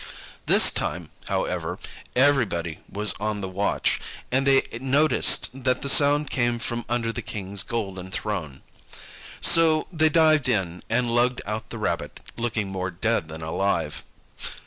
This time, however, everybody was on the watch, and they noticed that the sound came from under the King's golden throne. So they dived in, and lugged out the Rabbit, looking more dead than alive.